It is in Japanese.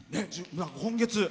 今月。